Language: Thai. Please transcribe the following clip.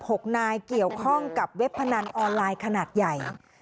หกนายเกี่ยวข้องกับเว็บพนันออนไลน์ขนาดใหญ่